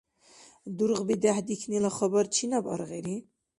Дургъби дехӀдихьнила хабар чинаб аргъири?